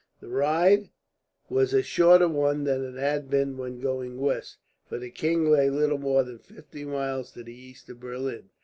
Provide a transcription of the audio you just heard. The ride was a shorter one than it had been when going west, for the king lay little more than fifty miles to the east of Berlin.